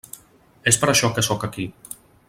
És per això que sóc aquí.